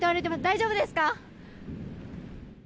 大丈夫ですか。